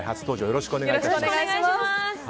よろしくお願いします。